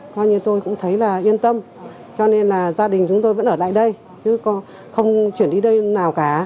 coi như tôi cũng thấy là yên tâm cho nên là gia đình chúng tôi vẫn ở lại đây chứ không chuyển đi đây nào cả